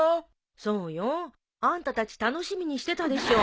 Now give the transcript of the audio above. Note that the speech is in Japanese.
そうよ。あんたたち楽しみにしてたでしょ。